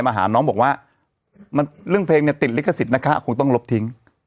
มาหาน้องบอกว่าเรื่องเพลงเนี่ยติดลิขสิทธิ์นะคะคงต้องลบทิ้ง